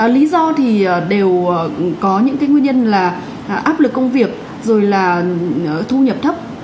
lý do thì đều có những cái nguyên nhân là áp lực công việc rồi là thu nhập thấp